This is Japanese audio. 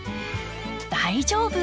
大丈夫。